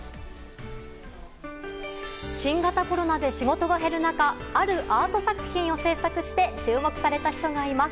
新型コロナで仕事が減る中あるアート作品を制作して注目された人がいます。